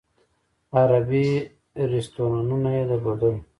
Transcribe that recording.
عربي رستورانونه یې درلودل.